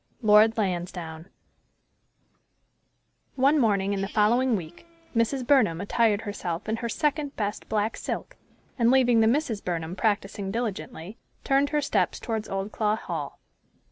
LORD LANSDOWNE. One morning in the following week Mrs. Burnham attired herself in her second best black silk, and, leaving the Misses Burnham practising diligently, turned her steps toward Oldclough Hall.